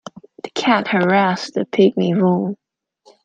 The cat harassed the pygmy vole.